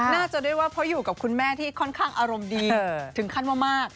น่าจะด้วยว่าเพราะอยู่กับคุณแม่ที่ค่อนข้างอารมณ์ดีถึงขั้นว่ามาก